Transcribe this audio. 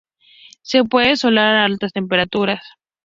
Se puede soldar a altas temperaturas.